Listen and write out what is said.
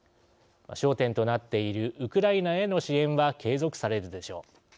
焦点となっているウクライナへの支援は継続されるでしょう。